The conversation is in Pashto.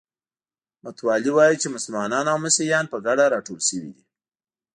متوالي وایي چې مسلمانان او مسیحیان په ګډه راټول شوي دي.